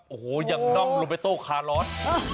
โอ้โฮยังน่องโรเบโต้ขารอส